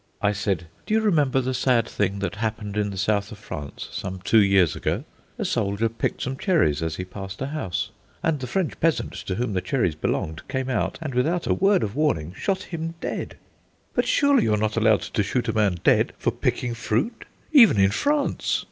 I said: "Do you remember the sad thing that happened in the South of France some two years ago? A soldier picked some cherries as he passed a house, and the French peasant to whom the cherries belonged came out, and without a word of warning shot him dead." "But surely you are not allowed to shoot a man dead for picking fruit, even in France?"